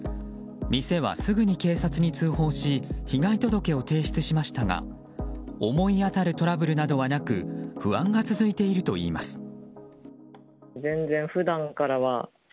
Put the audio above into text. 店はすぐに警察に通報し被害届を提出しましたが思い当たるトラブルなどはなく不安が続いているといいます。